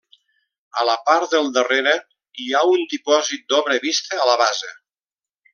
A la part del darrere hi ha un dipòsit d'obra vista a la base.